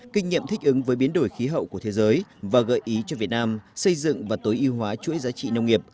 kinh nghiệm thích ứng với biến đổi khí hậu của thế giới và gợi ý cho việt nam xây dựng và tối ưu hóa chuỗi giá trị nông nghiệp